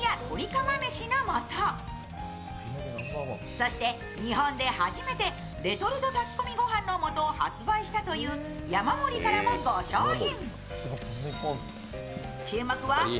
そして日本で初めてレトルト炊き込み御飯の素を発売したというヤマモリからも５商品。